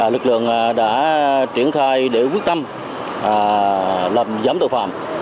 lực lượng đã triển khai để quyết tâm làm giám tội phạm